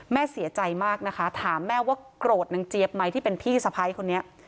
แม่เสียใจมากนะคะถามแม่ว่าโกรธนางเจี๊ยบไหมที่เป็นพี่สะพ้ายคนนี้